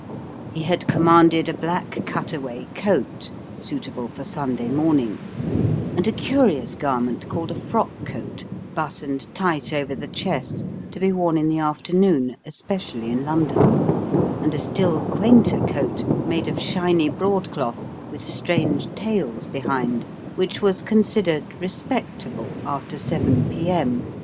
He had commanded a black cut away coat, suitable for Sunday morning; and a curious garment called a frock coat, buttoned tight over the chest, to be worn in the afternoon, especially in London; and a still quainter coat, made of shiny broadcloth, with strange tails behind, which was considered "respectable," after seven P.M.